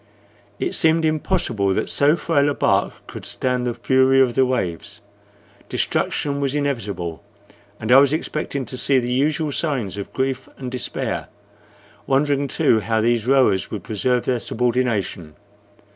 It seemed impossible that so frail a bark could stand the fury of the waves. Destruction was inevitable, and I was expecting to see the usual signs of grief and despair wondering, too, how these rowers would preserve their subordination.